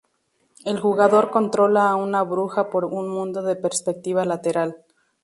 El jugador controla a una bruja por un mundo de perspectiva lateral.